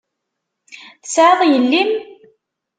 Tesεiḍ yelli-m?